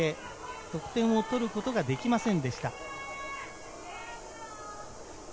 得点を取ることができませんでした。